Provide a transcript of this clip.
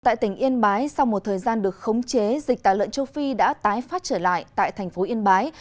tại tỉnh yên bái sau một thời gian được khống chế dịch tả lợn châu phi đã tái phát trở lại tại thành phố yên bái